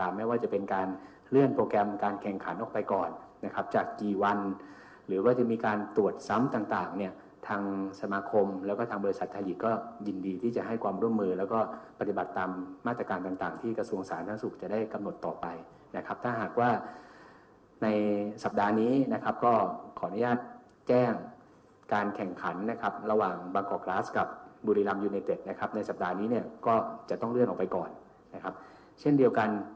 มีการตรวจซ้ำต่างเนี่ยทางสมคมแล้วก็ทางบริษัททาลีกก็ยินดีที่จะให้ความร่วมมือแล้วก็ปฏิบัติตามมาตรการต่างที่กระทรวงสาธารณสุขจะได้กำหนดต่อไปนะครับถ้าหากว่าในสัปดาห์นี้นะครับก็ขออนุญาตแจ้งการแข่งขันนะครับระหว่างบังเกาะกราศกับบุรีรัมย์ยูเนเต็ดนะครับในสัปดาห์นี้